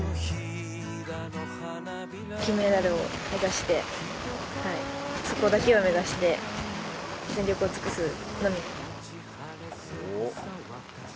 金メダルを目指してそこだけを目指して全力を尽くすのみ。